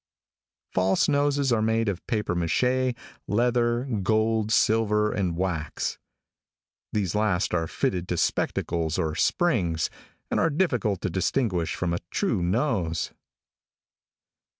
False noses are made of papier maché, leather, gold, silver and wax. These last are fitted to spectacles or springs, and are difficult to distinguish from a true nose.